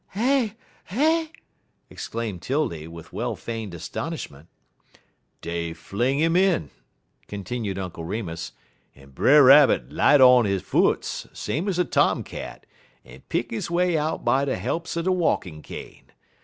"Eh eh!" exclaimed 'Tildy, with well feigned astonishment. "Dey fling 'im in," continued Uncle Remus, "en Brer Rabbit light on he foots, same ez a tomcat, en pick his way out by de helps er de walkin' cane.